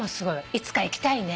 いつか行きたいね。